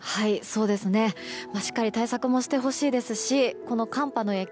しっかり対策もしてほしいですしこの寒波の影響